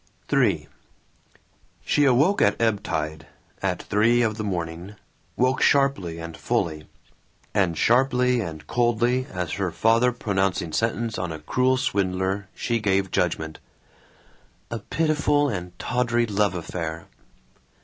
III She awoke at ebb time, at three of the morning, woke sharply and fully; and sharply and coldly as her father pronouncing sentence on a cruel swindler she gave judgment: "A pitiful and tawdry love affair.